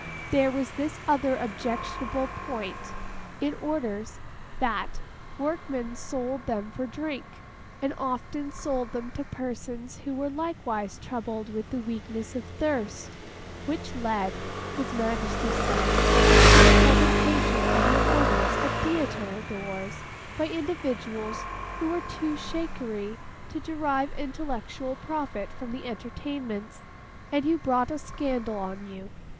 There was this other objectionable point, in orders, that workmen sold them for drink, and often sold them to persons who were likewise troubled with the weakness of thirst: which led (His Majesty said) to the presentation of your orders at Theatre doors, by individuals who were 'too shakery' to derive intellectual profit from the entertainments, and who brought a scandal on you.